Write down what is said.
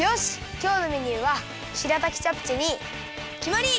きょうのメニューはしらたきチャプチェにきまり！